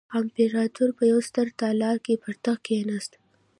امپراتور په یوه ستر تالار کې پر تخت کېناسته.